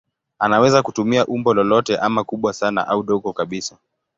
Anaweza kutumia umbo lolote ama kubwa sana au dogo kabisa.